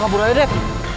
kabur aja deh